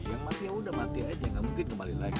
yang mati yaudah mati aja gak mungkin kembali lagi